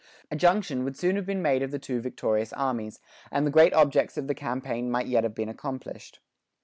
A junction would soon have been made of the two victorious armies, and the great objects of the campaign might yet have been accomplished.